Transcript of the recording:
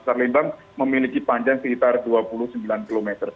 sarlimbang memiliki panjang sekitar dua puluh sembilan km